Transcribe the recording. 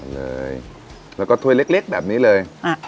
เลยแล้วก็ถ้วยเล็กแบบนี้เลย